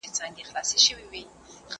زه هره ورځ درسونه اورم!